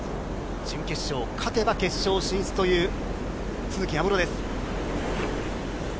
準決勝、勝てば決勝進出という都筑有夢路です。